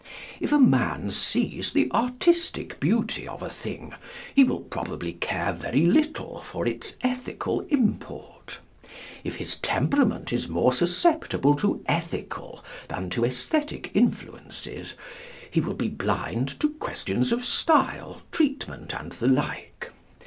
If a man sees the artistic beauty of a thing he will probably care very little for its ethical import. If his temperament is more susceptible to ethical than to æsthetic influences he will be blind to questions of style, treatment and the like.